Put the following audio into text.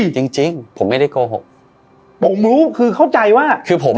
จริงจริงผมไม่ได้โกหกผมรู้คือเข้าใจว่าคือผมอ่ะ